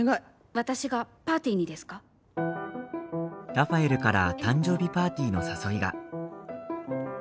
ラファエルから誕生日パーティーの誘いが。